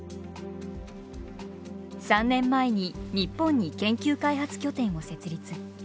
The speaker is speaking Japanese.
３年前に日本に研究開発拠点を設立。